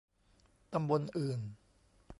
ตำบลอื่น